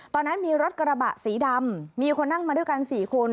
ตอนนั้นมีรถกระบะสีดำมีคนนั่งมาด้วยกัน๔คน